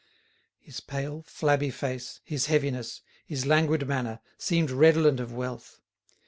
His pale, flabby face, his heaviness, his languid manner, seemed redolent of wealth.